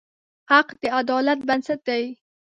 حق د عدالت بنسټ دی.